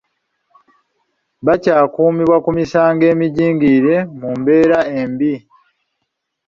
Bakyakuumibwa ku misango emijingirire mu mbeera embi.